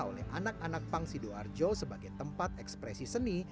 oleh anak anak pang sidoarjo sebagai tempat ekspresi seni